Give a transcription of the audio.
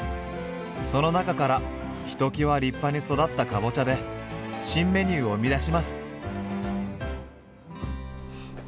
その中からひときわ立派に育ったかぼちゃで新メニューを生み出します。